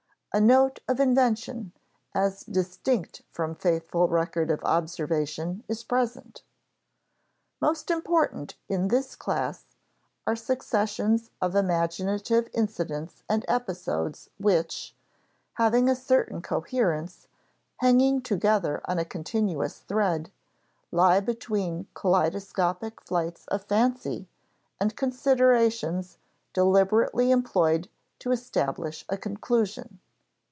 A note of invention, as distinct from faithful record of observation, is present. Most important in this class are successions of imaginative incidents and episodes which, having a certain coherence, hanging together on a continuous thread, lie between kaleidoscopic flights of fancy and considerations deliberately employed to establish a conclusion.